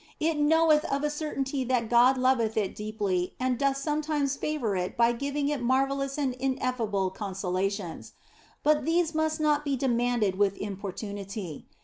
It knoweth of a certainty that God loveth it deeply and doth sometimes favour it by giving it marvellous and ineffable consolations ; but these must not be demanded with importunity.